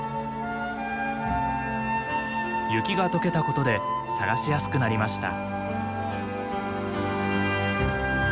雪が解けたことで探しやすくなりました。